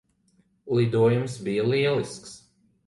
Lidojums bija lielisks.